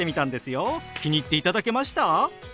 気に入っていただけました？